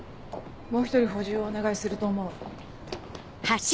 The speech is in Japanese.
もう一人補充をお願いすると思う。